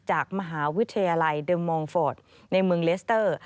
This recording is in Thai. จากมหาวิทยาลัยเดอร์มองฟอร์ดในเมืองเลสเตอร์